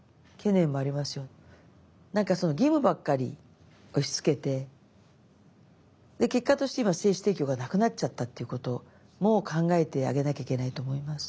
何かその義務ばっかり押しつけて結果として今精子提供がなくなっちゃったっていうことも考えてあげなきゃいけないと思います。